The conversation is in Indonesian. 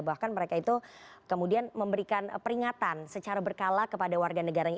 bahkan mereka itu kemudian memberikan peringatan secara berkala kepada warga negaranya